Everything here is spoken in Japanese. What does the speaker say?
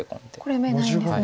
これ眼ないんですね。